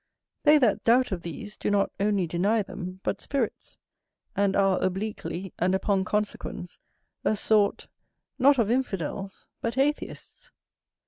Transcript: They that doubt of these do not only deny them, but spirits: and are obliquely, and upon consequence, a sort, not of infidels, but atheists.